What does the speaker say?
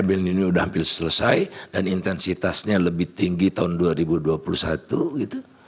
bill ini sudah hampir selesai dan intensitasnya lebih tinggi tahun dua ribu dua puluh satu gitu